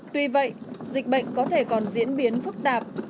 tuy vậy dịch bệnh có thể còn diễn biến phức tạp